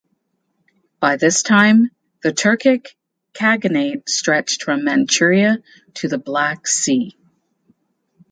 By this time the Turkic Khaganate stretched from Manchuria to the Black Sea.